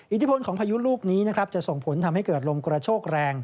อิทธิพลของพายุลูกนี้นะครับจะส่งผลทำให้เกิดลมกระโชกแรง